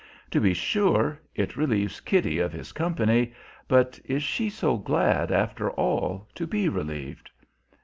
To be sure, it relieves Kitty of his company; but is she so glad, after all, to be relieved?